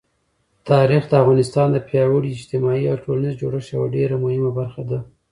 تاریخ د افغانستان د پیاوړي اجتماعي او ټولنیز جوړښت یوه ډېره مهمه برخه ده.